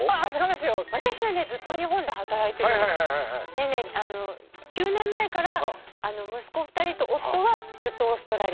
でね９年前から息子２人と夫はずっとオーストラリアにいるので。